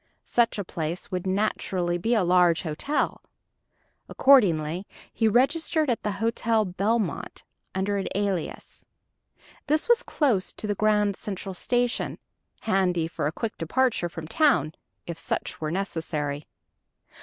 Such a place would naturally be a large hotel. Accordingly he registered at the Hotel Belmont under an alias. This was close to the Grand Central Station handy for a quick departure from town, if such were necessary.